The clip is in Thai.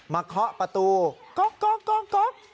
มาเคาะประตูเกาะ